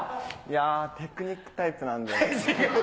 テクニックタイプなので。